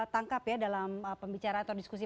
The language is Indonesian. tangkap ya dalam pembicaraan atau diskusi